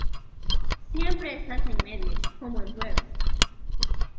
Siempre estás en medio, como el jueves